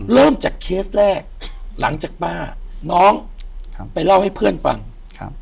เริ่มจากเคสแรกหลังจากป้าน้องครับไปเล่าให้เพื่อนฟังครับ